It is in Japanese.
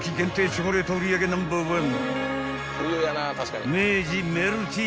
チョコレート売り上げナンバーワン］